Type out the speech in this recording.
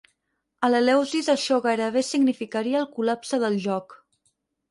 A l'Eleusis això gairebé significaria el col·lapse del joc.